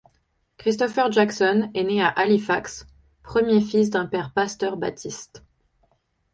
Christopher Jackson est né à Halifax, premier fils d'un père pasteur baptiste.